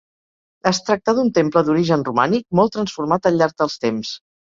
Es tracta d'un temple d'origen romànic, molt transformat al llarg dels temps.